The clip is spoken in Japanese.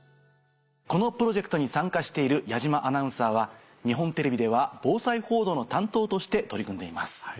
このプロジェクトに参加している矢島アナウンサーは日本テレビでは防災報道の担当として取り組んでいます。